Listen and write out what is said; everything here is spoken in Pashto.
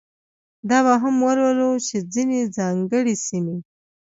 دا به هم ولولو چې ځینې ځانګړې سیمې.